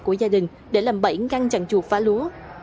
của gia đình để làm bẫy ngăn chặn chuột phá lúa